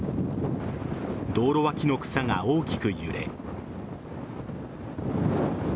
道路脇の草が大きく揺れ。